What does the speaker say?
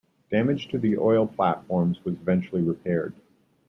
Damage to the oil platforms was eventually repaired.